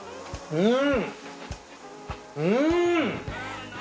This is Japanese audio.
うん！